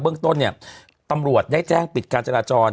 เบื้องต้นตำรวจได้แจ้งปิดการจราจร